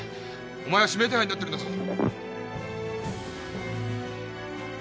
お前は指名手配になってるんだぞ！